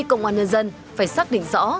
công an nhân dân phải xác định rõ